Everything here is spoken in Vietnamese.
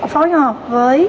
phối hợp với